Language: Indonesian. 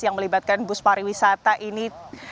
yang melibatkan bus pariwisata ini